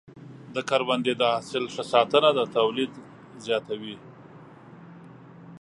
د کروندې د حاصل ښه ساتنه د تولید زیاتوي.